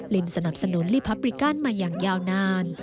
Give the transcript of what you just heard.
ลินสนับสนุนลิพับริกันมาอย่างยาวนาน